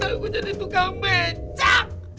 aku jadi tukang mecak